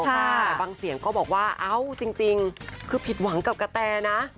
แต่บางเสียงก็บอกว่าเอ้าจริงคือผิดหวังกับกะแตนะ